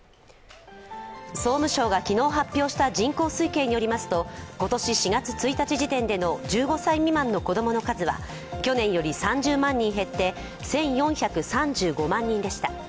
総務省が昨日発表した人口推計によりますと、今年４月１日時点での１５歳未満の子供の数は去年より３０万人減って１４３５万人でした。